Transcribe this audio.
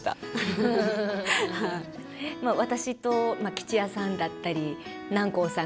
まあ私と吉弥さんだったり南光さん